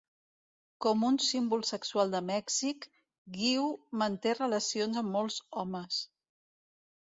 Com un símbol sexual de Mèxic, Guiu manté relacions amb molts homes.